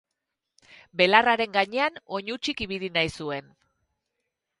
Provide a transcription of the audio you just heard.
Belarraren gainean oinutsik ibili nahi zuen.